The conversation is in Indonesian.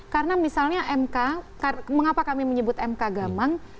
karena misalnya mk mengapa kami menyebut mk gamang